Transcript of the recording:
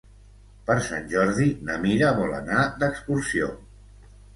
Per Sant Jordi na Mira vol anar d'excursió.